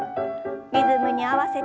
リズムに合わせて。